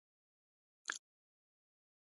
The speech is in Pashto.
دوی دیوالونه او خندقونه جوړ کړي.